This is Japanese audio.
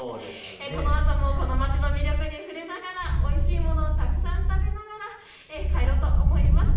このあともこの街の魅力に触れながら、おいしいものたくさん食べながら、帰ろうと思います。